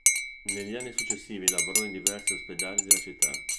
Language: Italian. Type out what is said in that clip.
Negli anni successivi lavorò in diversi ospedali della città.